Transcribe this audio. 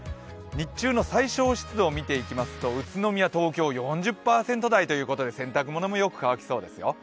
日中の最小湿度を見ていきますと、宇都宮、東京、４０％台ということで、洗濯物もよく乾きそうですよ。